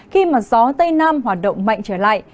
khi mà gió tây nam hoạt động mạnh trở lại